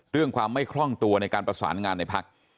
เรื่องความไม่คล่องตัวในการประสานงานในพัก